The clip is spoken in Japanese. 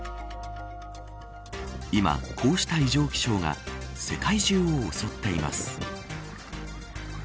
今、こうした異常気象が世界中を襲っています。